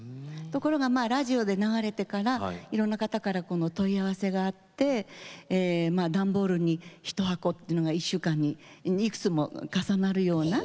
ところがラジオで流れてからいろんな方から問い合わせがあって段ボールに一箱っていうのが１週間にいくつも重なるような。